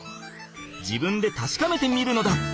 自分でたしかめてみるのだ！